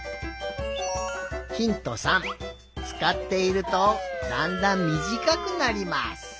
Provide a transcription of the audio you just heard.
つかっているとだんだんみじかくなります。